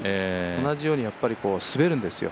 同じように滑るんですよ。